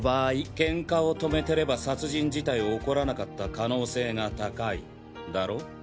ケンカを止めてれば殺人自体起こらなかった可能性が高いだろ？